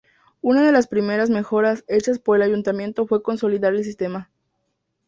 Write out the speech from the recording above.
Una de las primeras mejoras hechas por el Ayuntamiento fue consolidar el sistema.